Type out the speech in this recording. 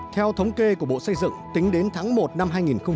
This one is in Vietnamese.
theo thống kê của bộ xây dựng tính đến tháng một năm hai nghìn hai mươi